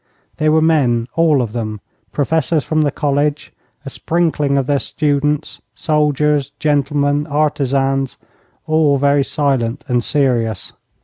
They were men, all of them, professors from the college, a sprinkling of their students, soldiers, gentlemen, artisans, all very silent and serious.